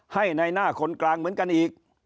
ให้ในหน้าคนกลางเหมือนกันอีก